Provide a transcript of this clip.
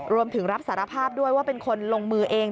รวมถึงรับสารภาพด้วยว่าเป็นคนลงมือเอง